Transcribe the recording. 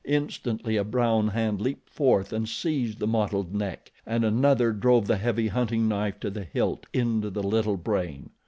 Instantly a brown hand leaped forth and seized the mottled neck, and another drove the heavy hunting knife to the hilt into the little brain.